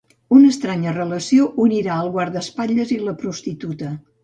Una estranya relació unirà el guardaespatlles i la prostituta.